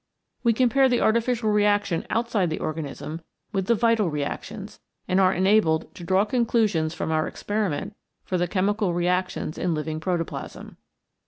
We compare the artificial reaction outside the organism with the vital reactions, and are enabled to draw conclusions from our experiment for the chemical reactions in living protoplasm.